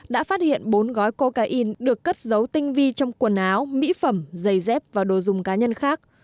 đã phát hiện bốn gói cocaine được cất giấu tinh vi trong quần áo mỹ phẩm giày dép và đồ dùng cá nhân khác